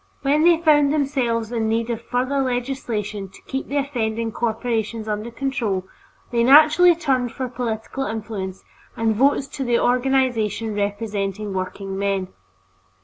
When they found themselves in need of further legislation to keep the offending corporations under control, they naturally turned for political influence and votes to the organization representing workingmen.